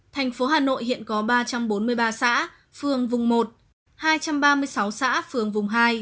thành phố hà nội hiện có ba trăm bốn mươi ba xã phường vùng một hai trăm ba mươi sáu xã phường vùng hai